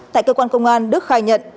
tại cơ quan công an đức khai nhận